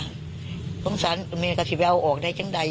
สงสันหนูเนี่ยว่าสงสันหนูเนี่ยมีกระทิแววออกได้จังไหน